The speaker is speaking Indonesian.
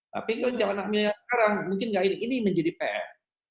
tapi ini anak milenial sekarang mungkin enggak ini ini menjadi pm